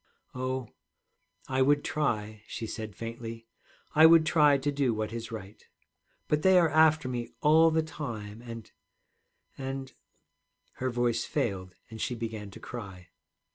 'Oh, I would try,' she said faintly; 'I would try to do what is right. But they are after me all the time and and ' Her voice failed, and she began to cry.